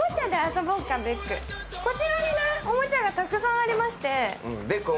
こちらにおもちゃがたくさんありまして。